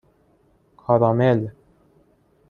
کارامل